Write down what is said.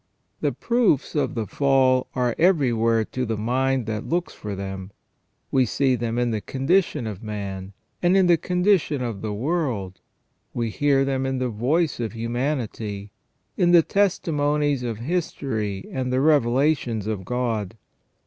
The proofs of the fall are everywhere to the mind that looks for them. We see them in the condition of man, and in the con dition of the world ; we hear them in the voice of humanity, in the testimonies of history and the revelations of God.